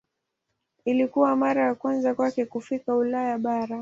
Ilikuwa mara ya kwanza kwake kufika Ulaya bara.